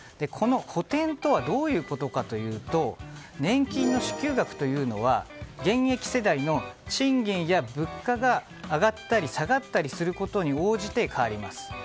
この補填とはどういうことかというと年金の支給額というのは現役世代の賃金や物価が上がったり下がったりすることに応じて変わります。